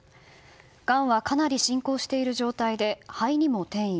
がんはかなり進行している状態で肺にも転移。